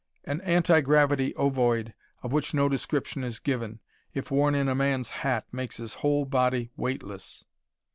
An "anti gravity ovoid" of which no description is given if worn in a man's hat, makes his whole body weightless.